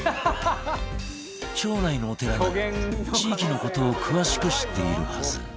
町内のお寺なら地域の事を詳しく知っているはず